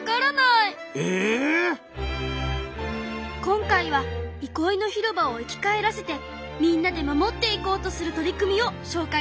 今回はいこいの広場を生き返らせてみんなで守っていこうとする取り組みをしょうかいするね。